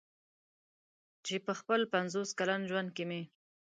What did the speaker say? چې په خپل پنځوس کلن ژوند کې مې.